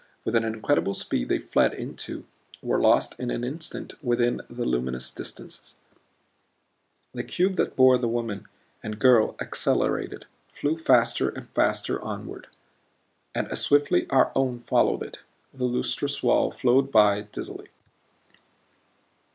With an incredible speed they fled into, were lost in an instant within, the luminous distances. The cube that bore the woman and girl accelerated; flew faster and faster onward. And as swiftly our own followed it. The lustrous walls flowed by, dizzily.